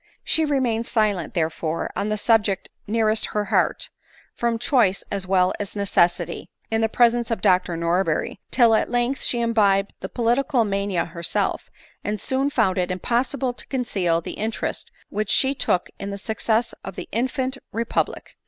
She remained silent, therefore, on the subject nearest her heart, from choice as well as necessity, in the presence of Dr Norberry, till at length she imbibed the political mania herself and soon found it impossible to conceal the interest which she took in the success of the infant repub lic.